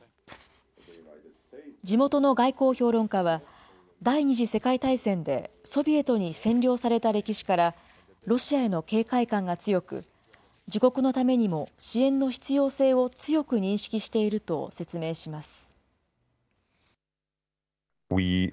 地元の外交評論家は、第２次世界大戦でソビエトに占領された歴史から、ロシアへの警戒感が強く、自国のためにも支援の必要性を強く認識していると説明します。